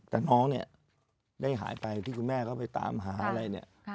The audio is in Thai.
แต่น้องเนี่ยได้หายไปที่คุณแม่เขาไปตามหาอะไรเนี่ย